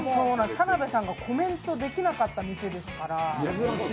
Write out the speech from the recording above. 田辺さんがコメントできなかった店ですから。